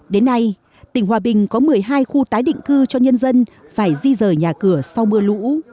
đến nay tỉnh hòa bình có một mươi hai khu tái định cư cho nhân dân phải di rời nhà cửa sau mưa lũ